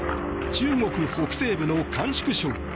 中国北西部の甘粛省。